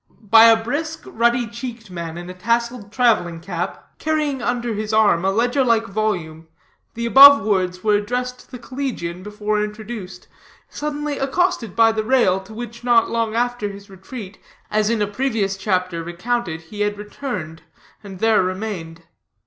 By a brisk, ruddy cheeked man in a tasseled traveling cap, carrying under his arm a ledger like volume, the above words were addressed to the collegian before introduced, suddenly accosted by the rail to which not long after his retreat, as in a previous chapter recounted, he had returned, and there remained.